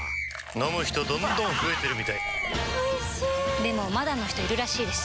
飲む人どんどん増えてるみたいおいしでもまだの人いるらしいですよ